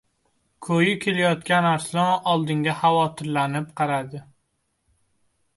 Ko‘yi kelayotgan arslon oldinga xavotirlanib qaradi.